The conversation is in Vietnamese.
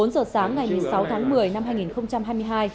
bốn giờ sáng ngày sáu tháng một mươi năm hai nghìn hai mươi hai